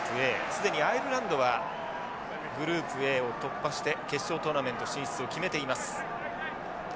既にアイルランドはグループＡを突破して決勝トーナメント進出を決めています。